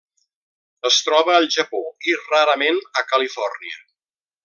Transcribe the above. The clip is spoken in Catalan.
Es troba al Japó i, rarament, a Califòrnia.